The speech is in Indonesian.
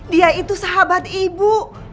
dia itu sahabat ibu